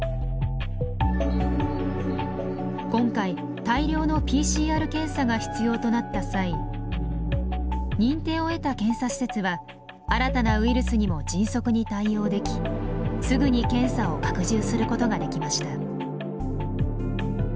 今回大量のＰＣＲ検査が必要となった際認定を得た検査施設は新たなウイルスにも迅速に対応できすぐに検査を拡充することができました。